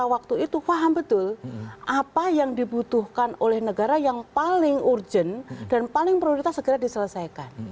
waktu itu paham betul apa yang dibutuhkan oleh negara yang paling urgent dan paling prioritas segera diselesaikan